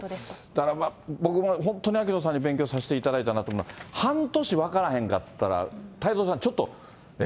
だから、僕が本当に秋野さんに勉強させていただいたなと思うのは、半年分からへんかったら、太蔵さん、ちょっと、え？